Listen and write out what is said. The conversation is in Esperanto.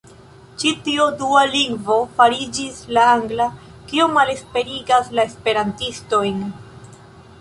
Ĉi tiu dua lingvo fariĝis la angla, kio malesperigas la esperantistojn.